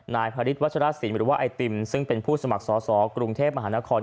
นายพระฤทธวัชรสินหรือว่าไอติมซึ่งเป็นผู้สมัครสอสอกรุงเทพมหานคร